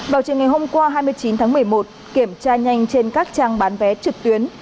vào chiều ngày hôm qua hai mươi chín tháng một mươi một kiểm tra nhanh trên các trang bán vé trực tuyến